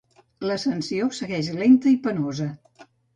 L'ascensió segueix lenta i penosa.